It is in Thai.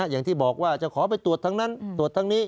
อย่างที่บอกว่าจะขอไปตรวจทั้งนั้นตรวจทั้งนี้